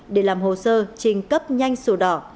để làm hồ sơ trình cấp nhanh sổ đỏ